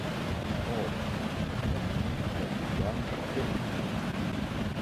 Or, on dit la vieille dame très méfiante.